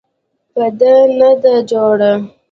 په ده نه ده جوړه.